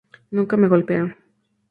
Nunca me golpearon.